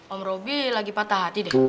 om robi lagi patah hati deh